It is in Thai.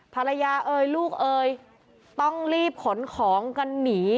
ภรรยาเอ่ยลูกเอยต้องรีบขนของกันหนี